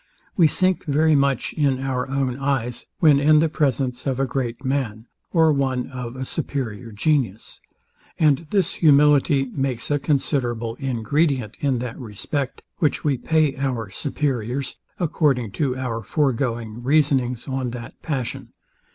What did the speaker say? We sink very much in our own eyes, when in the presence of a great man, or one of a superior genius; and this humility makes a considerable ingredient in that respect, which we pay our superiors, according to our foregoing reasonings on that passion.